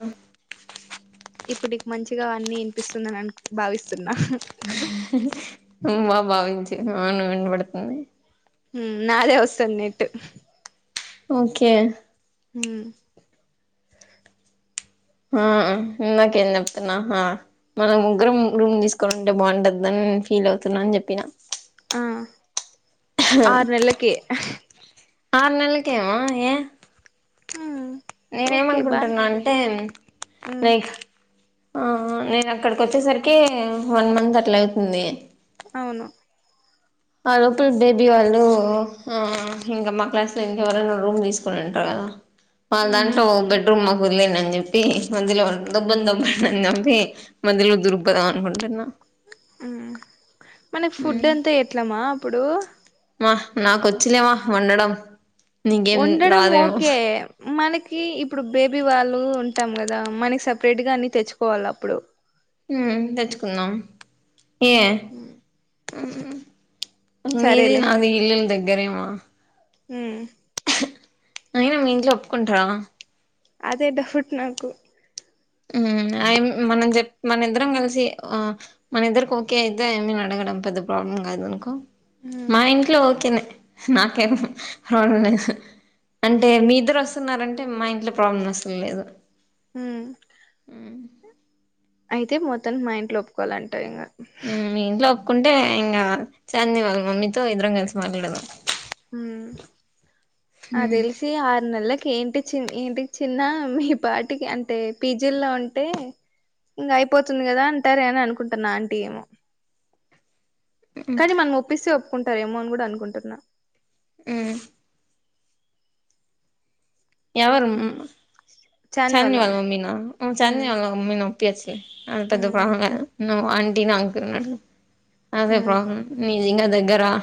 అ ఇప్పుటికి నీకు మంచిగా అన్నీ వినిపిస్తుందిని అని భావిస్తున్నా [unintelligible] బా భావించు అవునువవు వినబడుతుంది ఉం నాదే వస్తుంది నేట్ ఓకే ఉం ఆ ఇందాక ఏం చెప్తున్నా మనం ముగ్గురం రూమ్ తీసుకొని ఉంటే బాగుంటందని ఫీల్ అవుతున్నా అని చెప్పిన ఆ ఆరు నెలకి ఆరునెలకి ఏమో ఏ నేనే ఓకే బానే ఏమనుకుంటున్నా ఉంటది అంటే ఉమ్ లైక్ ఆహా నేను అక్కడికి వచ్చేసరికి వన్ మంత్ అట్లా అవుతుంది అవును ఆ లోపల బేబీ వాళ్ళు ఆ ఇంకా మా క్లాస్లో ఇంకెవరైనా రూమ్ తీసుకుని ఉంటారు కదా వాళ్ళ ఉహు దాంట్లో ఒక బెడ్రూమ్ మాకు వదిలేయండి అని చెప్పి మధ్యలో దబ్బని దబండి అని చెప్పి మధ్యలో దూరు పోదాం అనుకుంటున్నా ఆ మనకి ఫుడ్ అంతా ఎట్లమా అప్పుడు మా నాకొచ్చిలేమా వండడం నీకేం వండడం రాదేమో ఓకే మనకి ఇప్పుడు బేబీ వాళ్ళు ఉంటాం కదా మనకి సపరేట్గా అన్ని తెచ్చుకోవాలి అప్పుడు ఉం తెచ్చుకుందం ఏ ఉం నిది సరేలే నాది ఇల్ళలు దగ్గరేమా ఉం అయినా మీ ఇంట్లో ఒప్పుకుంటార అదే డౌట్ నాకు ఉం అ మనం చెప్ప మన ఇద్దరం కలిసి ఆ మన ఇద్దరికి ఓకే అయితే ఆ అన్నయను అడగడం పెద్ద ప్రాబ్లం కాదు అనుకో ఉమ్ మా ఇంట్లో ఓకేనే నాకేం ప్రాబ్లం లేదు అంటే మీ ఇద్దరు వస్తున్నారంటే మా ఇంట్లో ప్రాబ్లం అసలు లేదు ఉం ఉం అయితే మొత్తాన్ని మా ఇంట్లో ఒప్పుకోవాలింటే ఇంకా హ్మ్ మీ ఇంట్లో ఒప్పుకుంటే ఇంగా చంది వాళ్ళ మమ్మీతో ఇద్దరం కలిసి మాట్లాడదాం ఉం హ్మ్ అదేలే చి ఆరు నెలలకి ఏంటి చి ఏంటి చిన్న మీ పాటికి అంటే పీజీలో ఉంటే ఇంగా అయిపోతుంది కదా అంటారే అని అనుకుంటున్నా ఆంటీ ఏమో హ్మ్ కానీ మనం ఒప్పిస్తే ఒప్పుకుంటార ఏమో అని కూడా అనుకుంటున్నా ఉమ్ ఎవరు ఉం చాని వాళ్ళ చన్నీ వాళ్ల మమ్మీ నా ఉ ఉమ్, చన్నీ వాళ్ల మమ్మీ నా పెసి అంత పెద్ద ఉమ్, ప్రాబ్ల లా నువ్ ఆంటీ న అంటున్నడు అదే ఉమ్. ప్రాబ్ల మీజింగ దగ్గర ఆ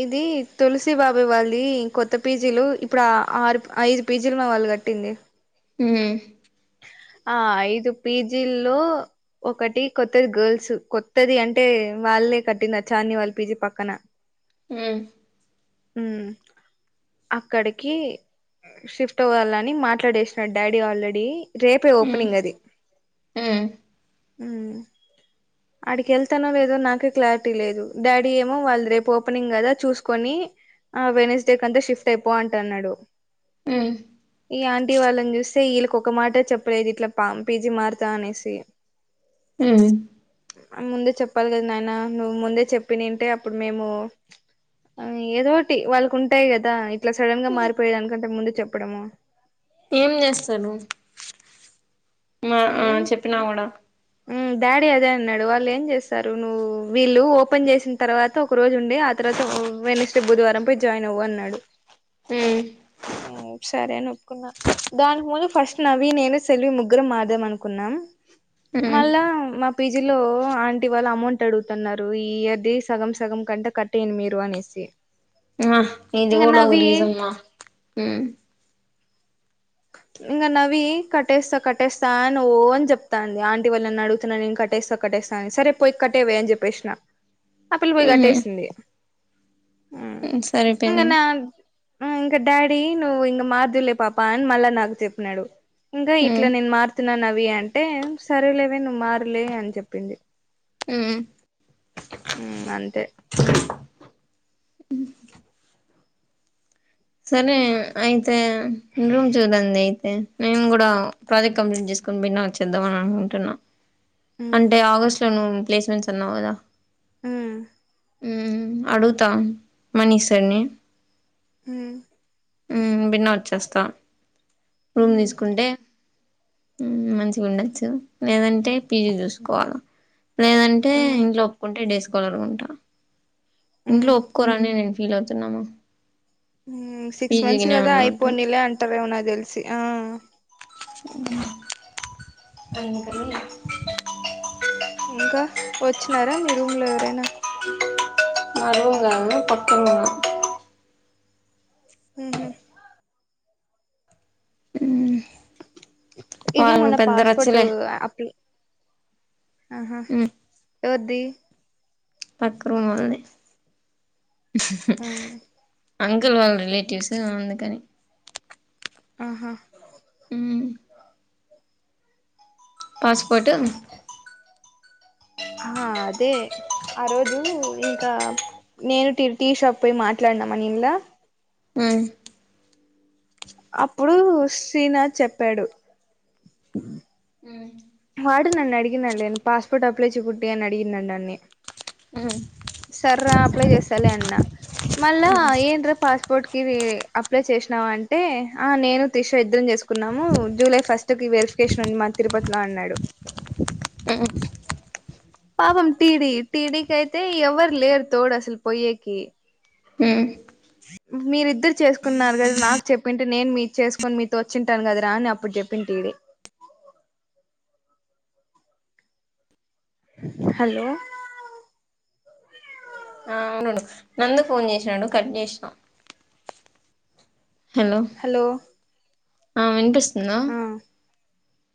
ఇది తులసి బాబాయ్ వాల్ది కొత్త పీజీలు ఇప్పుడు ఆ ఆరు ఐదు పీజీలు మా వాళ్ళు కట్టింది. ఉ ఆ ఐదు పీజీల్లో ఒకటి కొత్తది గర్ల్స్ కొత్తది అంటే వాళ్ళే కట్టింది ఆ చార్ని వాళ్ళ పీజీ పక్కన. ఉ ఊ అక్కడికి షిఫ్ట్ అవ్వాలని మాట్లాడేసినాడు డాడీ ఆల్రెడీ. రేపే ఉమ్ ఓపెనింగ్ అది. ఉమ్ ఉ ఆడికెళ్తానో లేదో నాకే క్లారిటీ లేదు, డాడీ ఏమో వాల్ది రేపు ఓపెనింగ్ కదా చూసుకొని ఆ వెనిస్డే కంత షిఫ్ట్ అయిపో అంటాన్నడు. ఉ ఈ ఆంటీ వాళ్ళన్ చూస్తే, ఈళ్ళకి ఒక మాట చెప్పలేదు ఇట్లా పం పీ జి మారుతా అనేసి. ఉ అన్ ముందే చెప్పాలి కదా నాయన, నువ్ ముందే చెప్పినింటే అప్పుడు మేము ఆ ఏదోటి వాళ్ళకి ఉంటాయి కదా, ఇట్ల సడన్ గా మారిపోయే దానికంటే ముందు చెప్పడము. ఏం చేస్తను మా ఆ చెప్పినా కూడ ఉ డాడీ అదే అన్నడు. వాళ్లేం చేస్తరు నువ్ వీళ్ళు ఓపెన్ చేసిన్ తర్వా త ఒక రోజు ఉండి ఆ తర్వాత ఆ వెనస్డే బుధవారం పోయి జాయిన్ అవ్వు అన్నాడు. ఉ ఉ సరే అని ఒప్పుకున్నా. దానికి ముందు ఫస్ట్ నవి నేను సెల్వి ముగ్గురం మాట్ దమ్ అనుకున్నాం ఉమ్ మళ్ళా మ పీజి లో ఆంటీ వాళ్ళు అమౌంట్ అడుగుతన్నారు, ఈ ఇయర్ది సగం సగం కంటే కట్టేయండి మీరు అనేసి. ఉమ ఇది ఇంగ కూడ ఓ నవి రీసన్ మా ఇంగ నవి కట్టేస్తా కట్టేస్తా అని ఓ అని చెప్తాంది. ఆంటి వాళ్ళని అడుగుతున్న నేను కట్టేస్తా కట్టేస్త అని సరే పోయి కట్టేయ్ వే అన్ చెప్పేస్నా ఆ పిల్ల పోయ్ ఉమ్ కట్టేసింది ఉ ఉమ్, ఇంగ సరిపోయింది నా ఉ ఇంక డాడీ నువ్ ఇంగ మార్ధులే పాప అని మళ్ళ నాకు చెప్పినాడు. ఇంగా ఉమ్ ఇట్ల నేన్ మారుతున్నా నవి అంటే సరేలేవే నువ్ మారలే అని చెప్పింది. ఉ ఉ అంతే సరే అయితే రూమ్ చూడండి అయితే నేను కూడా ప్రాజెక్ట్ కంప్లీట్ చేసుకుని బిన్న వచ్చేద్దమని అనుకుంటున్న. అంటే మ్ ఆగస్ట్ ల నువ్ ప్లేస్మెంట్స్ అన్నావ్ కదా ఉ ఉ అడుగుతా మనీ సర్ నీ ఉ ఉ బిర్న వచ్చేస్తా. రూమ్ మ్ తీసుకుంటే మంచిగ ఉండొచ్చు. లేదంటే పీజీ చూసుకోవాల లేదన్ టే మ్ ఇంట్లో ఒప్పుకుంటే డే స్కాలర్గ ఉంటా ఇంట్లో మ్ ఒప్పుకోరానే నేను ఫీల్ అవుతున్నాను. ఉ సిక్స్ మంత్స్ కదా అయిపోనీలే అంటారేమో నాకు తెలిసి ఆ అందుకని ఇంకా వచ్చినారా మీ రూమ్ లో ఎవరైనా మా రూమ్ కదండి పక్కన రూమ్ ఉహు ఉ ఇది మన పాస్పోర్ట్ రచ్చలే అప్లి ఆహా మ్మ్ ఎవర్ది పక్కనా వాళ్ళది మ్ అంకుల్ వాళ్ళ రిలేటివ్స్ అందుకని ఆహా ఉ పాస్పోర్ట్ ఆహా అదే ఆ రోజు ఇంకా నేను టిర్ టి షాప్ పోయి మాట్లాడినామ్ అనిల్లా మ అప్పుడు శ్రీనాథ్ చెప్పాడు ఉమ్ వాడు నన్ను అడిగినాడు లే నువు పాస్పోర్ట్ అప్లై చూపి అని అడిగినాడు నన్ని ఉ సరే రా అప్లై చేస్తాలే అన్నా మళ్ళా ఏమి రా పాస్పోర్ట్ కి అప్లై చేసినావ అంటే ఆ నేను త్రిష ఇద్దరం చేసుకు కున్నాము జూలై ఫస్ట్ కి వెరిఫికేషన్ ఉంది మా తిరుపతిలో అన్నాడు ఆ పాపం టీడీ టీడీకి అయితే ఎవ్వరు లేరు తోడు అసలు పొయ్యేకి హు మీరిద్దరు చేసుకున్నారు కదా నాకు చెప్పింటే నేను మీ చేసుకుని మీతో వచ్చింటాను కదారా అని అప్పుడు చెప్పింది టీ డీ హలో ఆ అవునవును నందు ఫోన్ చేసినాడు కట్ చేసిన హలో హలో ఆ వినిపిస్తుందా ఆ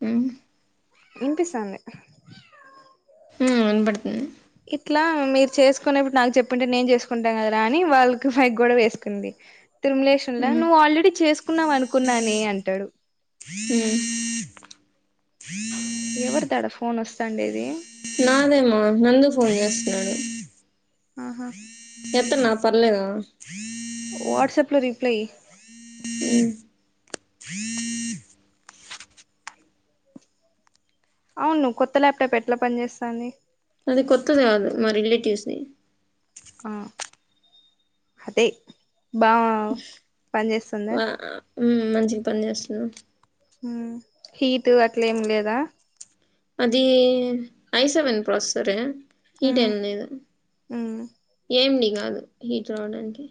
ఉ వినిపిస్తాంది హు వినపడుతుంది ఇట్లా మీరు చేసుకునేప్పుడు నాకు చెప్పుంటే నేను చేసుకుంటాను కదా రా అని వాళ్ళకి పైక్ గొడవ వేసుకుంది తిరుమలేశ్ ఉన్లా హ్మ్ నువ్వు ఆల్రెడీ చేసుకున్నావ అనుకున్నానేను అంటాడు హు ఎవరిది ఆడా ఫోన్ వస్తాండేది నాదేమా నందు పోన్ చేస్తున్నాడు ఆహా ఎత్తు మా పర్లేదు వాట్సాప్ లో రిప్లై ఈ ఉ అవును కొత్త ల్యాప్టాప్ ఎట్లా పని చేస్తాంది అది కొత్తది కాదు మా రిలేటివ్స్ ది ఆ అదే బా పని చేేస్తుందా వా మ్మ్ మంచిగా పని చేస్తున్నా మ్మ్ హీటు అట్లెం లేదా అది ఐ సెవెన్ ప్రాసెసరె హీట్ ఉమ్ ఏం లేదు ఉమ్ ఏం డి కాదు హీట్ రావడానికి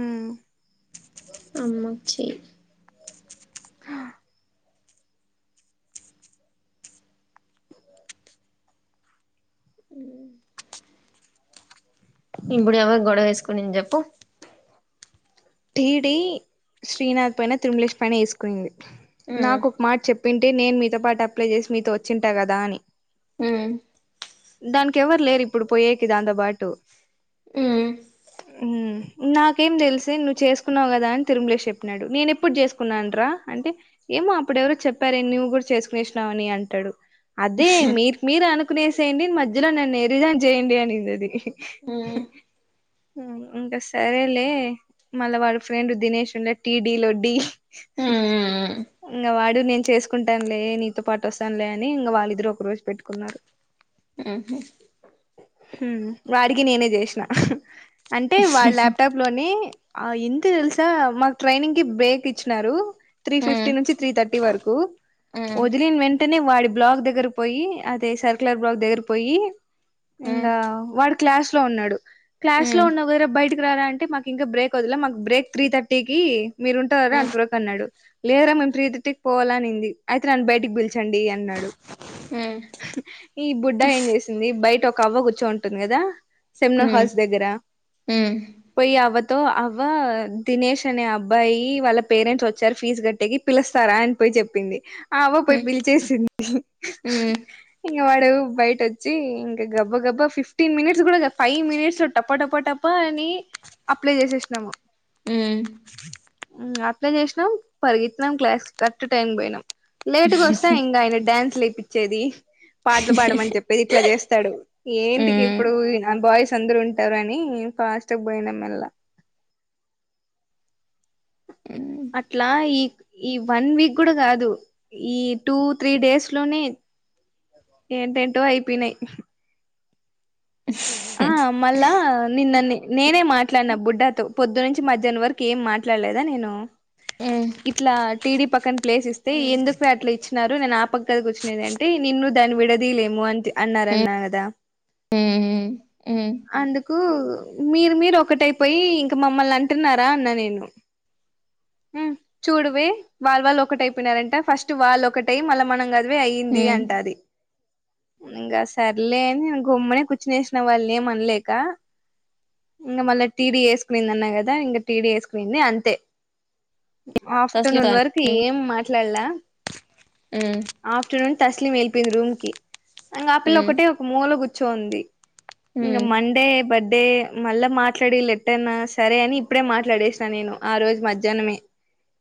మ్మ్ అమ్మ కి చెయ్ మ్మ్ ఇప్పుడు ఎవరూ గొడవ వేసుకునింది చెప్పు టీడీ శ్రీనాథ్ పైన తిరుమలేష్ పైన వేసుకోయింది హ్మ్ నాకు ఒక మాట చెప్ ప్పింటే నేను మీతో పాటు అప్లై చేసి మీతో వచ్చింటా కదా అని మ్మ్ దానికి ఎవరు లేరు ఇప్పుడు పోయేకి దాంతో పాటు మ్మ్ మ్మ్ నాకేం తెలుసే ను చేసుకున్నావు కదా అని తిరుమలేష్ చెప్పినాడు నేను ఎప్పుడు చేసుకున్నాన్ రా అంటే ఏమో అప్పుడెవరో చెప్పారే నువ్వు కూడా చేసుకునేసినావని అని అంటాడు అదే మీకు మీరు అనుకునేసేయండి నేను మధ్యలో నన్ను ఎర్రిదాన్ని చేయండి అనింది అది మ్మ్ మ్మ్ ఇంక సరేలే మళ్ళా వాళ్ళ ఫ్రెండ్ దినేష్ ఉండే టీడీ లో డ్డీ హ్మ్ ఇంగ వాడు నేను చేసుకుంటానులే నీతో పాటు వస్తానులే అని ఇంగ వాళ్ళిద్దరు ఒక రోజు పెట్టుకున్నారు మ్మ్ హు మ్మ్ వాడికి నేనే చేసినా అంటే వాడి ల్యాప్టాప్ లోనే ఆ ఎంత తెలుసా మాకు ట్రైనింగ్ కి బేక్ ఇచ్చినారు త్రీ ఫిఫ్టీ హ్మ్ నుంచి త్రీ థర్టీ వరకు హ్మ్ వది లిన వెంటనే వాడి బ్లాక్ దగ్గర కి పోయి అదే సర్కులర్ బ్లాక్ దగ్గర పోయి ఇంగ హ్మ్ వాడు క్లాస్ లో ఉన్నాడు క్లాస్ లో హ్మ్ ఉన్నావు కదర బయటకి రారా అంటే మాకు ఇంకా బ్రేక్ దలే మాకు బ్రేక్ త్రీ థర్టీ కి మీరు ఉంటారా హ్మ్ అంతవరకు అన్నాడు లేరా మేము పత్రీ థర్టీ కి పోవాల అనింది అయితే నన్ను బయటికి పిలిచండి అన్నాడు హ్మ్ ఈ బుడ్డ ఏం చేసింది బయట ఒక అవ్వ కూర్చో ఉంటుంది కదా సెమినార్ హాల్స్ దగ్గర మ్మ్ పోయి అవ్వతో అవ్వ దినేష్ అనే అబ్బాయి వాళ్ళ పేరెంట్స్ వచ్చారు ఫీజు కట్టేకి పిలుస్తారా అని పోయి చెప్పింది ఆ అవ్వ పోయి హ్మ్ పిలిచేసింది హ్మ్ ఇంగ వాడు బయట వచ్చి ఇంకా గబ్బా గబ్బా ఫిఫ్టీన్ మినిట్స్ కూడా ఫైవ్ మినిట్స్ లో టప్ప టప్ప టప్ప ప అని అప్లై చేసేసినాము మ్మ్ ఇంగ అట్ల చేసినాం పరిగెత్తినాం క్లాస్ కి కరెక్ట్ టైం కి పోయినాం లేటుగా వస్తె ఇంకా ఆయన డ్యాన్స్ లేపిచ్చేది పాటలు పాడమని చెప్పేది ఇట్ల చేస్తాడు ఏంటికి హ్మ్ ఇప్పుడు బాయ్స్ అందరుూ ఉంటారు అని ఫాస్ట్ పోయిన మళ్ళ హ్మ్ అట్ల ఈ ఈ వన్ వీక్ కూడా కాదు ఈ టూ త్రీ డేస్ లోనే ఏంటేంటో అయిపోయినాయి స్ హూ మళ్ళ నిన్నని నేనే మాట్లాడిన బుడ్డాతో పొద్దు నుంచి మధ్యాహ్నం వరకు ఏం మా ఇట్లాలేదా నేను హ్మ్ ఇట్లా టీ వి పక్కన ప్లేస్ ఇస్తే ఎందుకు [unintelligible] అట్లా ఇచ్చినారు నేను ఆ పక్క కూచు లేదంటే నిన్ను దాన్ని విడదీలేము అ అన్నారన్నా కదా హ్మ్ హు ఉ అందుకు మీరు మీరు ఒకటైపోయి ఇంక మమ్మల్ అంటున్నారా అన్నా నేను వ్మ్ చూడవే వాల్ వాళ్ళు ఒకటై పోయినారంట ఫస్ట్ వాళ్ళు ఒకటై మళ్ళ మనం గ వే అయింది హ్మ్ అంటది ఇంకా సర్లేని గమ్మనే కూర్చునేస్ నవన్నే ఏం అనలేక ఇంగా మళ్ళా టీ వి వేసుకునింది అన్నా గదా ఇంగా టీ వి వేసుకునింది అంతే తస్లీం ఆఫ్టేర్నోన్ ఖాన్. వరకు ఏం మాట్లాడలా హ్మ్ ఆఫ్టర్నూన్ తస్లిం వెళ్లిపోయింది రూమ్ కి ఇంగా ఆ పిల్ల హ్మ్ ఒక్కతే ఒక మూల కూర్చోనోంది. ఇంగా హ్మ్ మండే బర్డే మళ్ళా మాట్లాడే లెట్టన్నా సరే అని ఇప్పుడే మాట్లాడేసినా నేను ఆ రోజు మధ్యాహ్నమే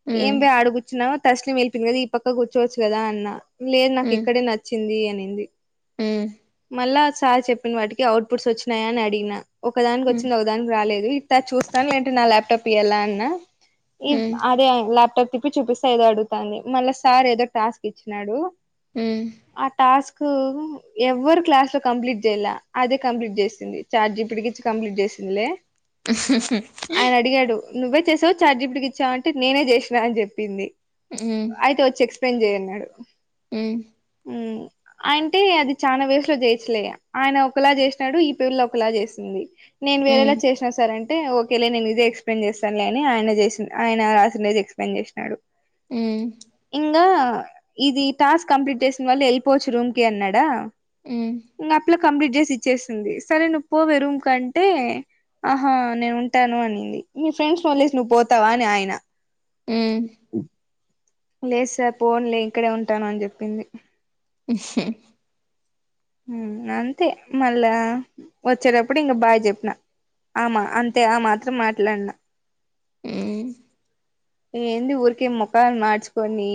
హ్మ్ ఏందేఆడ కూర్చున్నావు తస్లిమ్ వెళ్ళిపోంది కదా ఈ పక్క కూర్చోవచ్చు కదా అన్నా లేదు నాకు హ్మ్ ఇక్కడే నచ్చింది అనింది హ్మ్ మళ్ళా సార్ చెప్పిన వాటికి అవుట్ పుట్స్ వచ్చినాయా అని అడిగిన ఒక దానికి హ్మ్ వచ్చింది అగ్ దానికి రాలేదు ఇట చూస్తాను లేంటే నా ల్యాప్టాప్ ఇయ్యల అన్నా ఈఫ్ హ్మ్ అదే ల్యాప్టాప్ తిప్పి చూపిస్త ఏదో అడుగుతంది మళ్ళా సార్ ఏదో టాస్క్ ఇచ్చినాడు హ్మ్ ఆ టాస్క్ ఎవ్వరు క్లాస్ లో కంప్లీట్ చేయల అదే కంప్లీట్ చేసింది చార్జీపిటికి ఇచ్చి కంప్లీట్ చేసిందిలే ఆయన అడిగాడు నువ్వే చేసావా చార్జిపిటికి ఇచ్చావా అంటే నేనే చేసినా అని చెప్పింది హ్మ్ హ్మ్ అయితే వచ్చి ఎక్స్ ప్లే జేయ్అన్నాడు హ్మ్ హ్మ్ అయింటే అది చానా వేసులో జేచ్చులే ఆయన ఒకలా చేసినాడు ఈ పిల్ల ఒకలా చేసింది నేను వేరేలా హ్మ్ చేష్ ఆ సార్ అంటే ఓకేలే నేను ఇదే ఎక్స్ప్లెయిన్ చేస్తానులే అని ఆయన చేసినా ఆయన రాసిడెంది ఎక్స్ప్లెయిన్ చేసినాడు హ్మ్ ఇంగా ఇది టాస్క్ కంప్లీట్ చేసిన వాళ్ళు వెళ్ళిపోవచ్చు రూమ్ కి అన్నాడా వ్మ్ ఇంగా ఆ పిల్ల కంప్లీట్ చేసి ఇచ్చేసింది సరే నువ్వు పోవే రూమ్కు అంటే ఆహా నేను ఉంటాను అనింది నీ ఫ్రెండ్స్ వదిలేసి నువ్వు పోతావా అని ఆయన హ్మ్ లేదు సార్ పోన్లే ఇక్కడే ఉంటాను అని చెప్పింది ఉహుమ్ ఉమ్ అంతే మళ్ళా వచ్చేటప్పుడు ఇంగా బాయ్ చెప్పిన ఆమా అంతే ఆ మాత్రం మాట్లాడిన [unintelligible] ఎంది ఊర్కే మోఖాల్ మాడ్చుకోని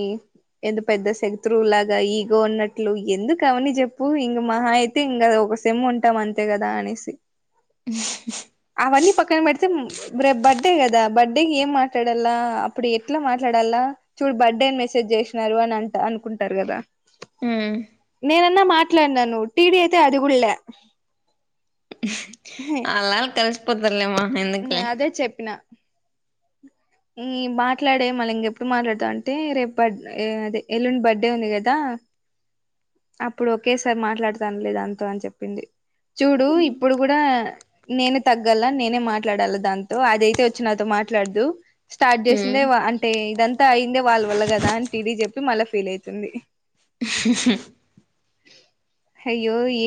ఎంత పెద్ద శత్రువుళ్లుగా ఇగో అన్నట్లు ఎందుకు అవన్ని చెప్పు ఇంగా మహా అయి తింగా ఒక సేమ్ ఉంటాం అంతే కదా అనేసి స్ సు అవన్ని పక్కన పెడితే మ్ రేపు బర్త్డే కదా బర్త్డేకి ఏం మాట్లాడాలా అప్పుడు ఎట్ల మాట్లాడాల్ల చూడు బర్త్డే అని మెసేజ్ చేసినారు అని అంట అనుకుంటారు కదా మ్ నేనన్న మాట్లాడినాను టీడీ అయితే అదిగూళ్లే ఆల్లాలు కలిసిపోతర్లే మనకు ఎందుకులే అదే చెప్పిన యే మాట్లాడే మళ్ళీ ఇంకెప్పుడు మాట్లాడుతావు అంటే రేపు బర్డె అదే ఎల్లుండి బర్త్డే ఉంది కదా అప్పుడు ఒకేసారి మాట్లాడుతాను లే దాంతో అని చెప్పింది చూడు ఇప్పుడు కూడా నేనే తగ్గాలా నేనే మాట్లాడాలా దాంతో అదైతే వచ్చి నాతో మాట్లాడదు. స్టార్ట్ చేసిందే హ్మ్. వా అంటే ఇదంతా అయిందే వాళ్ళ వల్ల కదా అని టీడీ చెప్పి మళ్ళ ఫీల్ అయితుంది హ హా అయ్యో ఏ